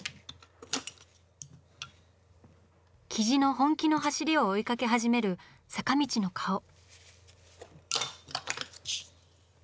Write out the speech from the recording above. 雉の本気の走りを追いかけ始める坂道の顔。